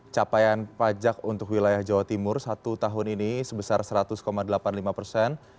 capaian pajak untuk wilayah jawa timur satu tahun ini sebesar seratus delapan puluh lima persen